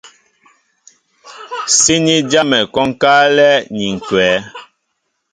Síní jámɛ kwónkálɛ́ ni ǹkwɛ̌.